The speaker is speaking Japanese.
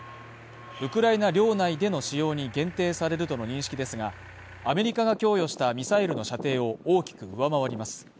ウクライナ領内での使用に限定されるとの認識ですが、アメリカが供与したミサイルの射程を大きく上回ります。